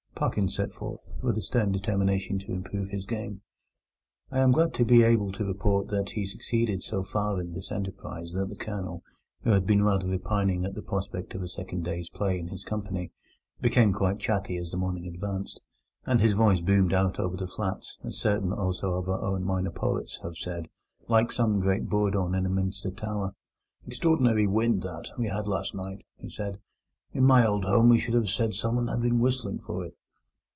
Parkins set forth, with a stern determination to improve his game. I am glad to be able to report that he succeeded so far in this enterprise that the Colonel, who had been rather repining at the prospect of a second day's play in his company, became quite chatty as the morning advanced; and his voice boomed out over the flats, as certain also of our own minor poets have said, "like some great bourdon in a minster tower". "Extraordinary wind, that, we had last night," he said. "In my old home we should have said someone had been whistling for it."